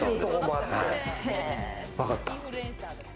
わかった。